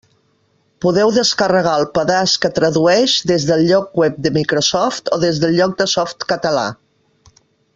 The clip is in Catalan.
Podeu descarregar el pedaç que tradueix des del lloc web de Microsoft o des del lloc de Softcatalà.